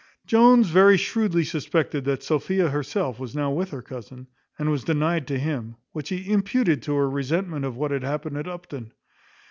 Jones very shrewdly suspected that Sophia herself was now with her cousin, and was denied to him; which he imputed to her resentment of what had happened at Upton.